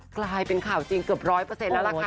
กลายเป็นข่าวจริงเกือบร้อยเปอร์เซ็นต์แล้วล่ะค่ะ